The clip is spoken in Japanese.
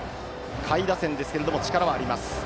下位打線ですが力はあります。